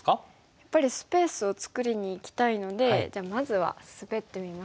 やっぱりスペースを作りにいきたいのでじゃあまずはスベってみますか。